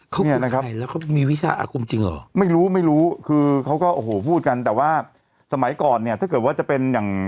เขามีอะไรแล้วเขามีวิชาอาคมจริงเหรอไม่รู้ไม่รู้คือเขาก็โอ้โหพูดกันแต่ว่าสมัยก่อนเนี่ยถ้าเกิดว่าจะเป็นอย่าง